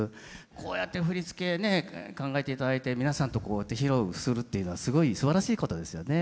こうやって振り付けね考えて頂いて皆さんとこうやって披露するっていうのはすごいすばらしいことですよね。